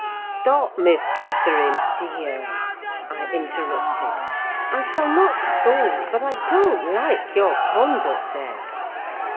"Stop, Miss Catherine, dear!" I interrupted. "I shall not scold, but I don't like your conduct there.